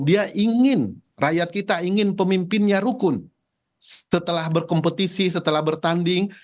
dia ingin rakyat kita ingin pemimpinnya rukun setelah berkompetisi setelah bertanding